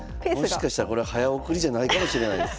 もしかしたらこれ早送りじゃないかもしれないです。